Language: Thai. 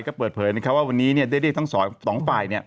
ก็เปิดเผิญในครบว่าวันนี้เดทเดดตั้งสองฝ่าย